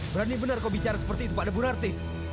berani benar kau bicara seperti itu pak deburarti